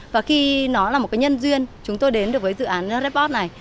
và khi nó là một cái nhân duyên chúng tôi đến được với dự án redbot này